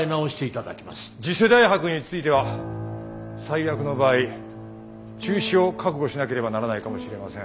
次世代博については最悪の場合中止を覚悟しなければならないかもしれません。